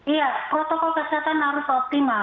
iya protokol kesehatan harus optimal